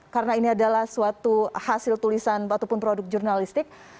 karena ini adalah suatu hasil tulisan ataupun produk jurnalistik